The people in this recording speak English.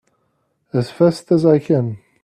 As fast as I can!